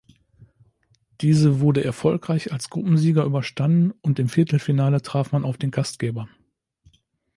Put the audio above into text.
Diese wurde erfolgreich als Gruppensieger überstanden und im Viertelfinale traf man auf den Gastgeber.